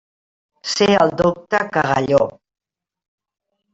Ser el docte Cagalló.